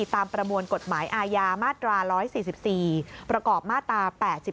ประมวลกฎหมายอาญามาตรา๑๔๔ประกอบมาตรา๘๔